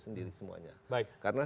sendiri semuanya baik karena